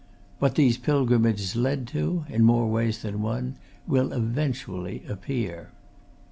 What these pilgrimages led to in more ways than one will eventually appear.